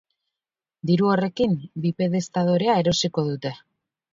Diru horrekin bipedestadorea erosiko dute.